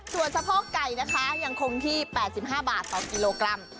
ส่วนสะโพกไก่นะคะยังคงที่๘๕บาทต่อกิโลกรัม